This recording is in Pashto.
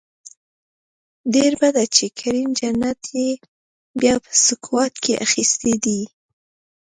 ډیره بده ده چې کریم جنت یې بیا په سکواډ کې اخیستی دی